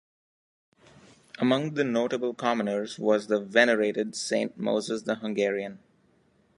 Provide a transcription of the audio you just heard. Among the notable commoners was the venerated Saint Moses the Hungarian.